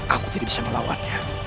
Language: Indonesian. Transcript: aku tidak bisa melawannya